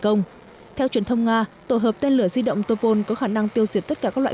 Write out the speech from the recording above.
công theo truyền thông nga tổ hợp tên lửa di động topol có khả năng tiêu diệt tất cả các loại